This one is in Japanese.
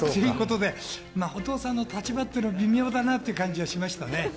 お父さんの立場っていうの、微妙だなっていう感じしましたね。